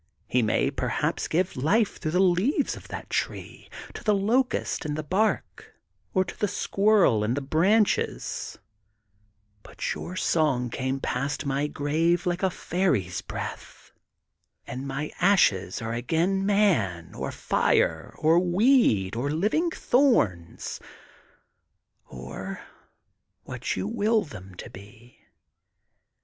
He may, perhaps give life through the leaves of that tree to the locust in the bark, or to the squirrel in the branches, but your song came past my grave like a fairy ^s breath, and my ashes are again man or foe or week or living thorns, or what you will them to be.